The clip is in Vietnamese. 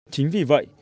chính vì vậy